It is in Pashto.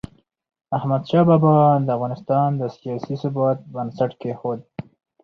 احمدشاه بابا د افغانستان د سیاسي ثبات بنسټ کېښود.